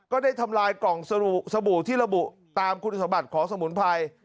ก็ได้ทำลายกล่องสบู่ที่ระบุตามคุณสมบัติของสมุนไพร